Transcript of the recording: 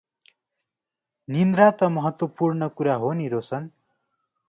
निद्रा त महत्वपूर्ण कुरा हो नि रोशन।